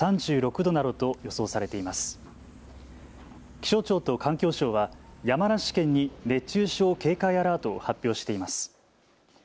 気象庁と環境省は山梨県に熱中症警戒アラートを発表しています。